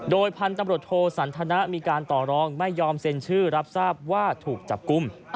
โดยพันธุ์ตำรวจโทสันทนะมีการต่อรองไม่ยอมเซ็นชื่อรับทราบว่าถูกจับกลุ่ม